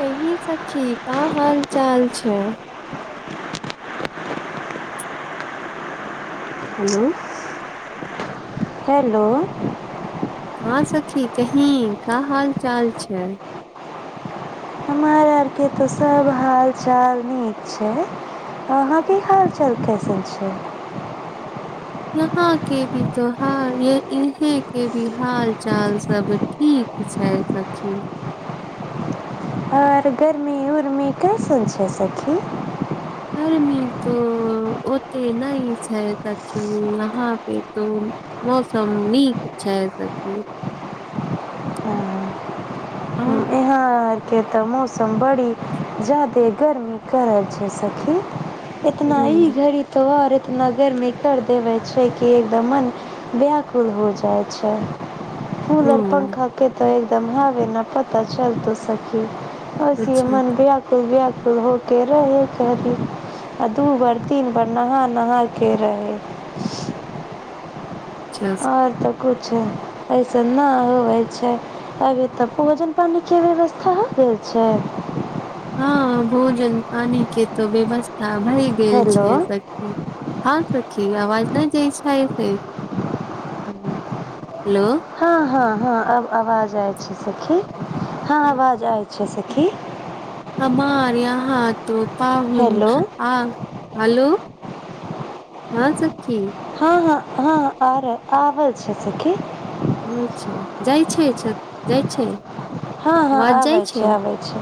कही सखी कि हाल चाल छै [inaudible] हेलो हेलो हा सखी कही का हाल चाल छै हमर आर केँ तऽ सभ हालचाल नीक छै अहाँ केँ हाल चाल कैसन छै यहाँ केँ भी हाल चल इहें केँ भी हाल चाल सभ ठीक छै ठीक छै सखी और गरमी उरमी कैसन छै सखी गर्मी तो ओते नै छै सखी यहाँ पे तो मौसम नीक छै सखी हँ, ह यहाँ केँ तऽ मौसम बड़ी जदे गर्मी करल छै सखी इतना ई घड़ी तो और एतना गर्मी कर देवे छै कि एकदम मन व्याकुल हो जाइ छै कूलर ह पंखा केँ तऽ एकदम हावे न पता चलतौ सखी असेहे अच्छा मन ब्यकुल ब्यकुल हो केँ रहे [unintelligible] आ दू बार तीन बार नहा नहा केँ रहै [unintelligible] और तऽ किछु अइसन नै होबै छै अभी तऽ भोजन पानी केँ व्यवस्था हो गेल छै हँ भोजन पानी केँ तो व्यवस्था भैय गेल हेलो छै स हँ सखी आवाज नै जइ छै से [inaudible] हेलो हँ हँ हँ आब आवाज आय छै सखी हँ आवाज आय छै सखी [unintelligible] हँ हेलो हेलो [inaudible] हँ सखी [unintelligible] आर आबल छै सखी होइ छै जाय छै जाय छै हँ हँ आवाज आब जाइ छै आ छै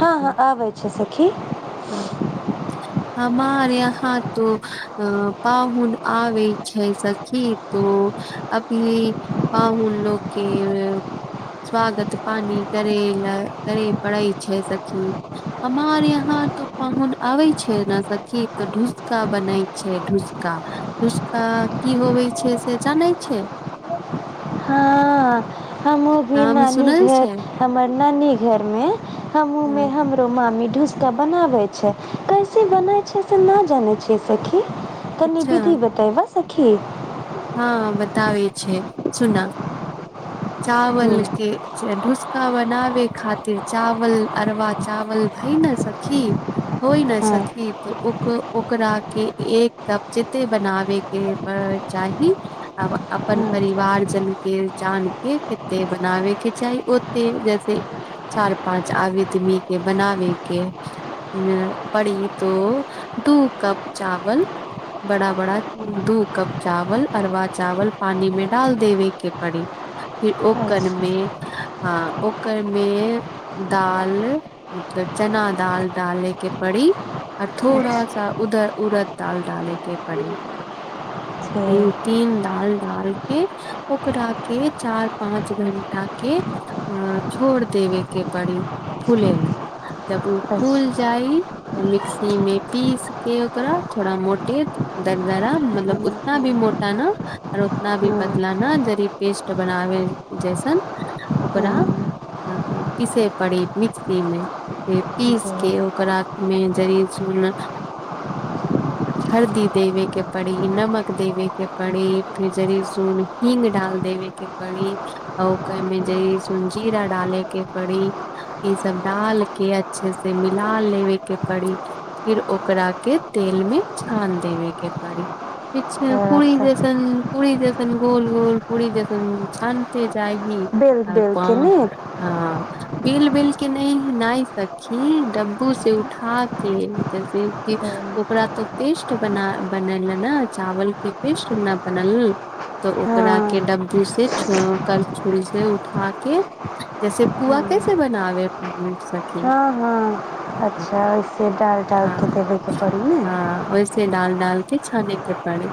हँ हँ आब छै सखी [unintelligible] हमर यहाँ तो पाहुन आबै छै स खी तो अभी पाहुन लोक केँ स्वागत पानी करे लऽ करे पड़ै छै सखी हमार यहाँ तू पाहुन आबै छै एना सखीत तऽ ढूसका बनाै छै ढूसका ढूसका की होबै छै से जानै छै [unintelligible] हम भी नाम नानी सुनल घर छै हमर नानी घर में हमहु में हमरो मामी ढूसका बनाबै छै कैसे बनै छै से नै जानै छियऐ सखी तनी अच्छा बिधि बतैबै सखी हँ बताबै छै सुन [inaudible] चावल हुं, केँ ढुस का बनाबे खातिर चावल अरबा चावल भय न सखी होई न हँ, सखी तऽ ओ ओकरा के एक कप जते बनाबे केँ है चाही आ अपन हँ, परिवार जन केँ जान केँ कते बनाबे केँ चाही ओते जैसे चार पाँच आबितमी केँ बनाबे केँ पड़ी तो दू कप चावल बड़ा बड़ा दू कप चावल अरवा चावल पानी में डाल देबे केँ पड़ी फिर अच्छा, ओकरमे हँ ओकरमे दाल मतलब चना दाल डाले केँ पड़ी आ थोड़ा अच्छा, सा उधर उड़द दाल डाले केँ पड़ी जे तीन डाल डाल के ओकरा केँ चार पाँच घंटा केँ छोड़ देबे के पड़ि फुले लऽ जब ओ फुल अच्छा, जाइ तऽ मिक्सी में पीस के ओकरा थोड़ा मोटे दरगराा मतलब उतना भी मोटा नऽ और उतना भी हँ, पतला नऽ जरी पेस्ट बनाबै जैसन हँ, ओकरा पीसे पड़ी मिक्सी मे पीस जे के ओकरा मे जरी सुन [unintelligible] हरदि देबेके पड़ी नमक देबे के पड़ी फेर जरीसून हींग डाल देबे के पड़ी आ ओ कहमे जे सुं जीरा डाले कऽ पड़ी ई सब डाल के अच्छे से मिला लेबे के पड़ी फिर ओकरा के तेल में छान देबे के परी ठीक छै ओकरा पुरी तऽ जैसन पुरी जैसन गोल गोल पुरी जैसन छान छायने जाहि बेल-बेल आ के ने हँ बेल बेल के नहि ह नहि सखी डब्बू से उठा केँ जैसे कि ओकरा तऽ पेस्ट बना बनल ने चावल के पेस्ट नऽ बनल तऽ ओकरा केँ हँ, डबु से करछुल से उठा के जैसे पुआ कैसे बनावे सखी हँ हँ अच्छा ओइसे डाल डालके देबेके पड़ै ने से ाल डाल के छाने कऽ पड़े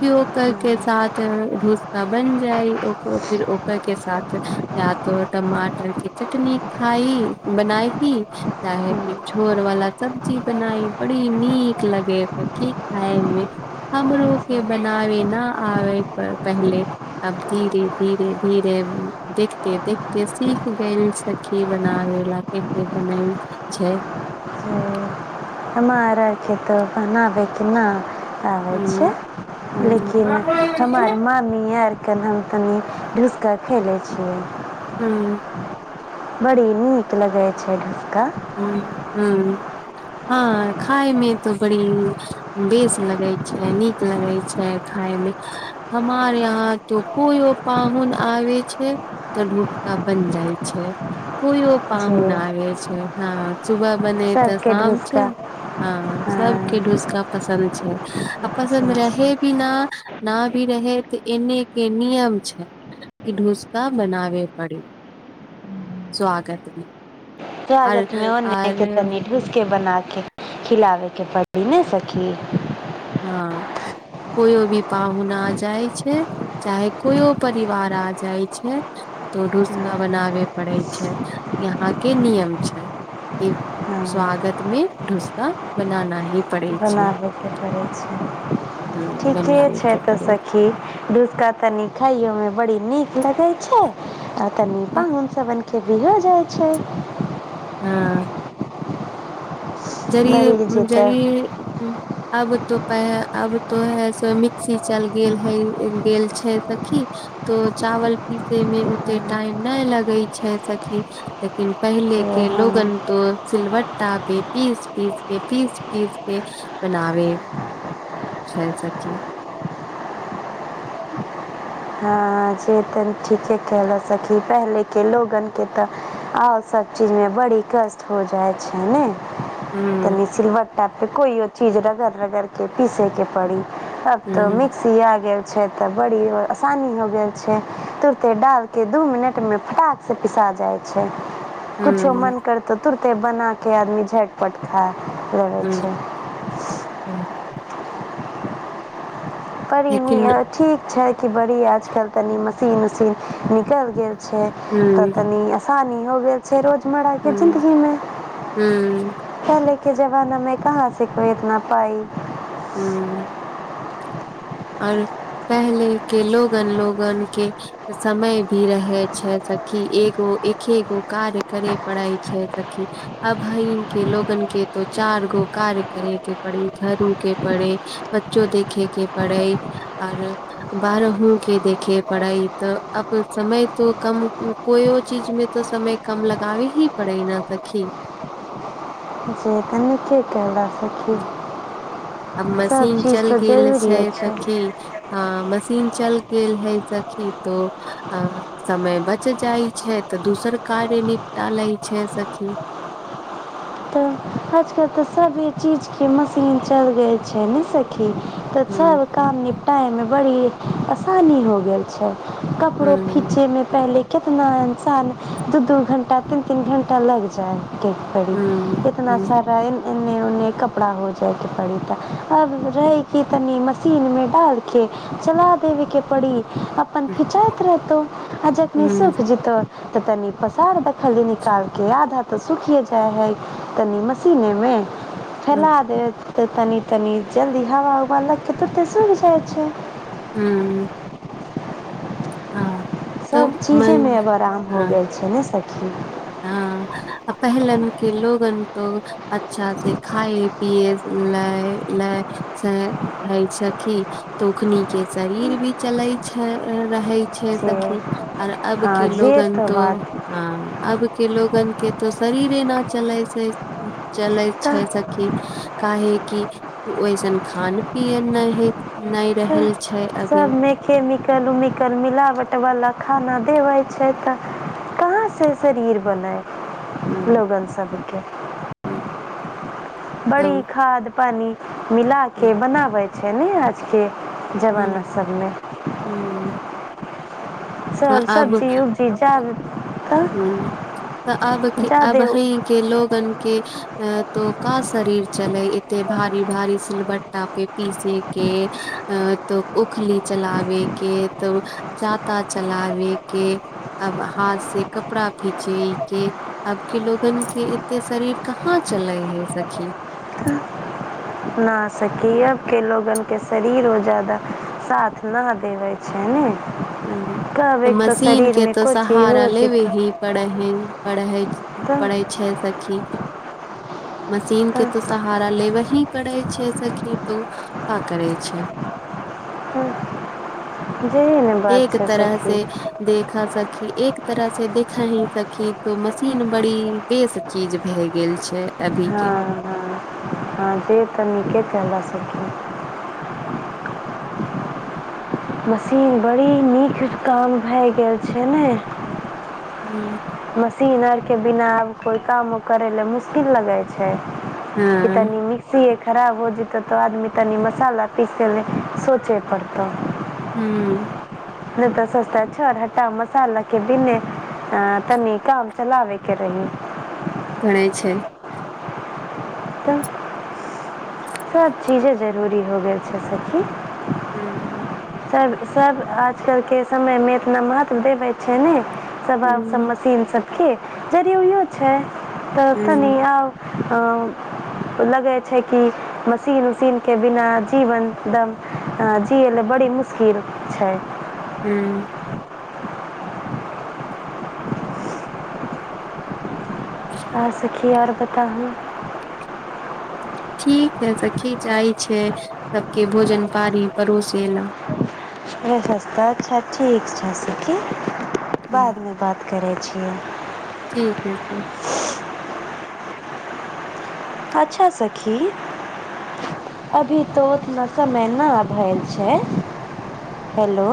फिर ओकर के साथ डोसा बन जाइ ओकर फिर ओकर के साथ या तो टमाटर कऽ चटनी खाइ बनाई ही चाहे फेर छोर वाला सब्जी बनाई बड़ी नीक लगे यऽ सखी खाय में हमरो के बनाबे नऽ आबे पहले आब धीरे धीरे धीरे [unintelligible] कायसे बने छैय हमरख तऽ बनाबैके नहि छै हम्म, लेकिन हम्म। हमर म ममी आरके हम तनी ुसका खेलै छियै हूँ बड़ी नीक लगै छै [unintelligible] [unintelligible] हूं हँ खाय मे तऽ बड़ी बेस लगे छै निक लगे छै खाय में हमार यहाँ तऽ कोयो पाहुन आबय छै तऽ डोसा बन जाइ छै कोइओ जे पाहुन आबे छैय हं सुबह बने तऽ सभके शाम छै ढुसका हँ सभके ढुसका पसन्द छै आ पसन्द रहे बिना नऽ भी रहे तँ एने केँ नियम छै कि डुसका बनावे पड़ स्वगतमे ागत में ओन्ने के तनी ढुस के बना के खिलाबे के पड़ी नहि सखी हँ कोइयो भी पाहुन आ जाइ छै चाहे कोयो परिवार आ जाइ छै तो डूसका बनाबे पड़ै छै यहाँ के नियम छै स्वागत मे ढुसाका बनाना ही पड़ै छै बनाहेयके पड़ै छै ह ठीके बनाबे छै के तऽ पड़ै सखी ढुसका तनी खाइयो मे बड़ी निक लगै छै आ तनि छै पाहुन सब के भी हो जाय छै हँ जरीई बड़ी जे तऽ जरीई आब तो पै आब तो ऐसा मिक्सी चल गेल होय चल गेल छै सखी तो चावल पीसै मे ओते टाइम नय लगै छै सखी लेकिन पहिले जे के हँ लोगन तो सिल्वट्टा पे पीस पीस के पीस पीस के बनावे छै सबची आजे तन ठीके केहिले सखी पहले के लोगन के तऽ सब चीज मे बड़ी कष्ट हो जाय छै ने तनी हूँ सिलव तबतो कोइ ओ चीज रगड़ रगड़ के पीसैके पड़ी अब तो मिक्सी आगेल छै तऽ बड़ी आसानी हो छै तुरते डाल के दू मिनट मे फटाक से पिसा जाइ छै कुछो हूँ हूँ मन करतो तुरते बना के आदमी झट पट खा लेेवे छै हूँ बडी नी लेकिन आ ठीक छैत कि बड़ी आजकल तनी मशीन उशीन नी कल गेल छै तऽ हूँ तनी आसानी हो गेल छै रोज मराय के हूँ जिंन्दगी मे हूँ पहले के जमाना मे कहाँ छै कोइ एतना पाइ हूँ आओर पहले के लोगन लोगन के समय भी रहै छै सखि एगो एकेगो कार्य करै पड़ै छै सखि अभइन के लोगन के त चार गो कार्य करेके पड़े घरू के पड़े बच्चो देखे के पड़ै आओर बारहू के देखे पड़ै तऽ अब समय त कम कोइयो चीज मे तऽ समय कम लगाबी ही पड़े न सखी जे तनीके कैला स हूँ अब मशीन चीज चलि त गेल छै जरूरिए सखी हँ मशीन चल गेल है सखी तो अँ समय बच जाइ छै तऽ दुसर कार्य निपटा लै छै सखी तऽ आजकल त सबे चीज के मशीन चल गेल छै न सखी खी तऽ हूं सब काम निपटाइ मे बड़ी आसानी हो गेल छै कपड़ो हूं खीचै मे पहिले केतना इंसान दू दू घण्टा तीन तीन घण्टा लागि जाइ के पड़ी हूं ना हूं छा एने उन्ने कपड़ा हो जायके पड़ी ता अब रहै की तनी मशीन मे डाल के चला देवे के पड़ी अपन खिचाइत रहतौ आ जखनी हूं सूख जतौ तऽ तनी पसार द खाली निकाल क आधा तऽ सुखिए जाय है तनी मशीने मे हूं फैला देत तऽ तनी तनि जल्दी हवा उवा क तऽ सुख जाइ छै हू हँ तऽ सभ मन चीजे मे एब आराम हो हँ गेल छै ने सखी हँ आ पहिलन कि लोगन तो अच्छा से खाए पियए लए लए से हय सखी तोखनी के शरीर भी चले छै रहे छै जे सखी आर अब हँ के जे लोगन तऽ तो बात ह अब के लोगन के त शरीरे न चलै छै चले तऽ छै काह कि ओइसन खान पियन नहि ह नय रहल छै अभी सभमे कमिकल उमिकल मिलावटवला खाना देबै छै तऽ कहाँसँ शरीर बनय हूँ लोगन सबके हूँ बड़ी तब खाद पानी मिला के हूँ बनाबे छै ने आज के जमाना सबमे हूँ हूँ सब सब्जी उब्जी जाद ह तऽ अब अब हैं के लोगन के तो का शरीर चले एते भारी भारी सिलबट्टा पे पीसे के तऽ उखली चलावे के तऽ जाता चलावे के अब हाथ से कपड़ा फिचै के आब के लोगन के एते शरीर कहाँ चले हे सखी न सकी अब के लोगन के शरीर ओ ज्यादा साथ नय देबै छै ने कहबै तऽ त मशीन शरीर के में तो कुछ ही हो सहारा लेबे जैतै ही पढ़ैहे पढ़ै त पढ़ै छै सखी मशीन के त तो सहारा लेब ही करे छै सखी तो पा करै छै त [unintelligible] एक तरह सखी से देखा सखी एक तरह से देखा ही सखी तो मशीन बड़ी बेस चीज भए गेल छै अभी के हँ हँ हँ से तऽ नीके कहलास सखिन मशीन बड़ी नीक काम भए गेल छै ने हूँ मशीन आर के बिना आब कोइ काम करै लए मुश्किल लगै छै हँ तनी मिक्सी एक खराब हो जेतो तऽ आदमी तनी मसाला पीसे सोचे पड़तौ हूँ नय तऽ सोचते छर हट्टा मसाला के भीने अ तनी काम चलाबेके रहि पड़े छै तऽ सबचीजे जरूरी हो गेल छै सखि हूँ सब सब आजकल के समय में इतना महत्व देबे छै ने सब आ ह सब सीन सबके यदि ओहो छै तऽ ह तनि आब लगे छै कि मशीन उसीन के बिना जीवन दम जिय ल बड़ी मुश्किल छै हूँ और सखि अहाँ सखी और बताबू ठीक छै सखी जाइ छै सभ के भोजन पड़ी पड़ोसे लऽ वस तऽ अच्छा ठीक छै सेखी बाद में बात करै छियै ठीक छै फेर अच्छा सखी अभी तऽ उतना समय नहि ना भेल छै हेलो